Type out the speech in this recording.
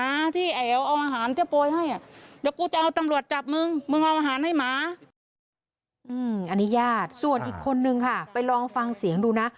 อันนี้ญาติส่วนอีกคนนึงค่ะไปลองฟังเสียงดูนะ